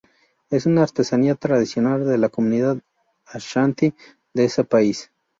Es una artesanía tradicional de la comunidad ashanti, de ese país.